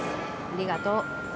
ありがとう。